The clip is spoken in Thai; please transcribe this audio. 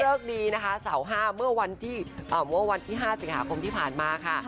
ดีนะคะเสาร์๕เมื่อวันที่๕สิงหาคมที่ผ่านมาค่ะ